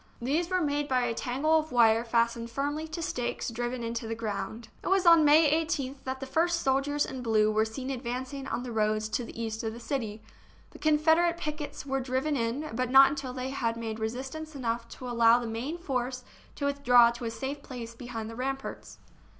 These were made by a tangle of wire fastened firmly to stakes driven into the ground. It was on May 18th that the first soldiers in blue were seen advancing on the roads to the east of the city. The Confederate pickets were driven in, but not until they had made resistance enough to allow the main force to withdraw to a safe place behind the ramparts.